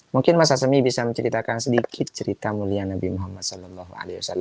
mungkin mas asemi bisa menceritakan sedikit cerita mulia nabi muhammad saw